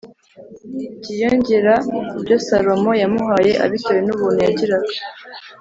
byiyongera ku byo Salomo yamuhaye abitewe n ubuntu yagiraga